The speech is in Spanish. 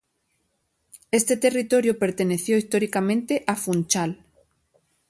Este territorio perteneció históricamente a Funchal.